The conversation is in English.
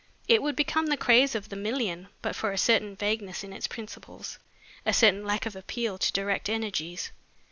It would become the craze of the million but for a certain vagueness in its principles, a certain lack of appeal to direct energies.